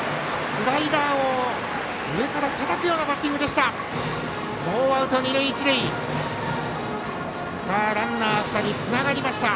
スライダーを上からたたくようなバッティングでした。